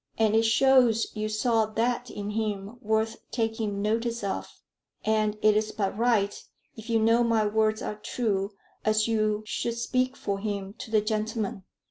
And it shows you saw that in him worth taking notice of; and it is but right, if you know my words are true, as you should speak for him to the gentlemen."